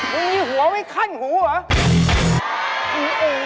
มึงมีหัวไว้คั่นหูเหรอ